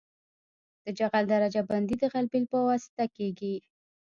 د جغل درجه بندي د غلبیل په واسطه کیږي